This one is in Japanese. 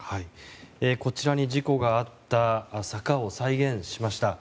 こちらに事故があった坂を再現しました。